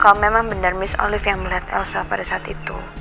kalau memang benar miss olive yang melihat elsa pada saat itu